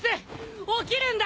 起きるんだ！